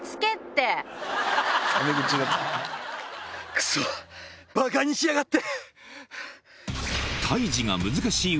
クソバカにしやがって！